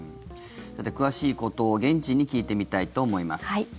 詳しいことを現地に聞いてみたいと思います。